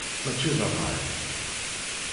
Mačči d rray.